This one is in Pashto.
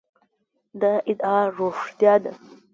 دا ادعا رښتیا ده.